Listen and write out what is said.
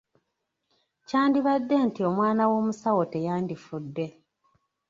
Kyandibadde nti omwana w’omusawo teyandifudde.